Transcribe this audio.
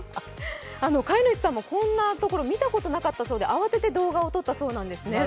飼い主さんもこんなところ見たことなかったそうで、慌てて動画を撮ったそうなんですね。